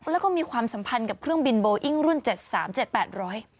แล้วก็มีความสัมพันธ์กับเครื่องบินโบอิ้งรุ่นเจ็ดสามเจ็ดแปดร้อย